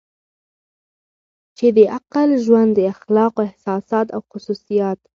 چې د عقلې ژوند د اخلاقو احساسات او خصوصیات